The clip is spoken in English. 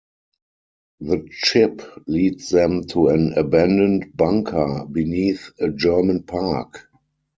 The chip leads them to an abandoned bunker beneath a German park.